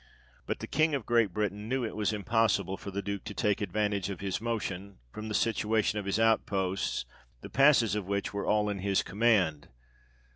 But the King of Great Britain knew it was impossible for the Duke to take advantage of his motion, from the situation of his outposts, the passes of which were all in his command.